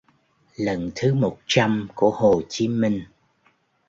lần thứ một trăm của Hồ Chí Minh